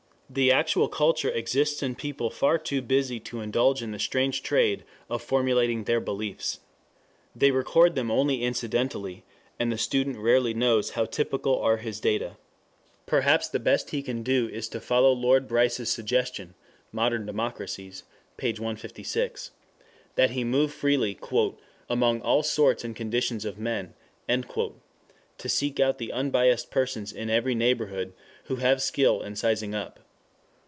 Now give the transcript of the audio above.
The actual culture exists in people far too busy to indulge in the strange trade of formulating their beliefs. They record them only incidentally, and the student rarely knows how typical are his data. Perhaps the best he can do is to follow Lord Bryce's suggestion [Modern Democracies, Vol. i, p. 156] that he move freely "among all sorts and conditions of men," to seek out the unbiassed persons in every neighborhood who have skill in sizing up.